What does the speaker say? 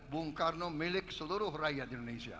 bung karno milik seluruh rakyat indonesia